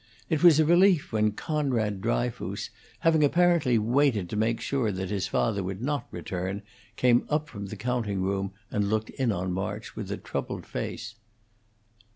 It was a relief when Conrad Dryfoos, having apparently waited to make sure that his father would not return, came up from the counting room and looked in on March with a troubled face.